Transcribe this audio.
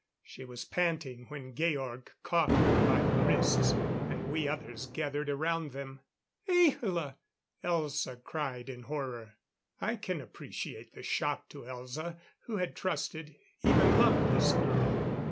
She was panting when Georg caught her by the wrists, and we others gathered around them. "Ahla!" Elza cried in horror. I can appreciate the shock to Elza, who had trusted, even loved this girl.